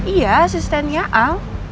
iya asistennya al